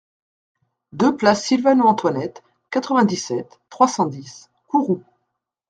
deux place Sylvano Antoinette, quatre-vingt-dix-sept, trois cent dix, Kourou